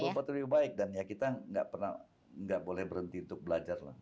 membuat lebih baik dan ya kita nggak pernah nggak boleh berhenti untuk belajar lah